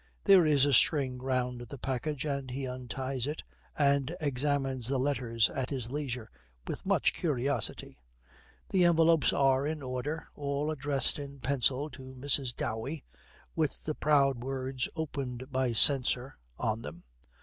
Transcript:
There is a string round the package, and he unties it, and examines the letters at his leisure with much curiosity. The envelopes are in order, all addressed in pencil to Mrs. Dowey, with the proud words 'Opened by Censor' on them.